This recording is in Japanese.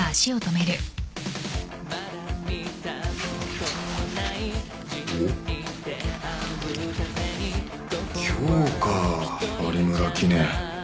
・今日か有村記念。